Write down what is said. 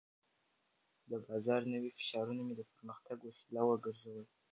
د بازار نوي فشارونه مې د پرمختګ وسیله وګرځول.